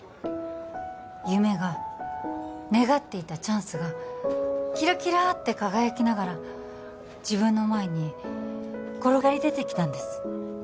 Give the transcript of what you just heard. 夢が願っていたチャンスがキラキラって輝きながら自分の前に転がり出てきたんです